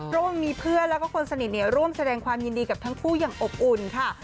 เพราะว่ามีเพื่อนแล้วก็คนสนิทร่วมแสดงความยินดีกับทั้งคู่อย่างอบอุ่นค่ะ